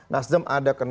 nasdem ada kesehatan